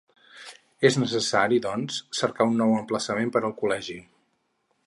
Era necessari, doncs, cercar un nou emplaçament per al col·legi.